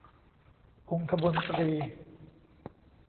องคมนตรี